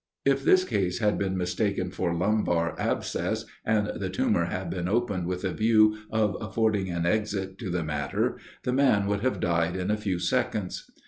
If this case had been mistaken for lumbar abscess, and the tumor had been opened with a view of affording an exit to the matter, the man would have died in a few seconds.